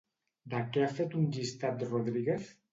De què ha fet un llistat Rodríguez?